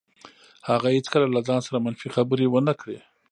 هغه هېڅکله له ځان سره منفي خبرې ونه کړې.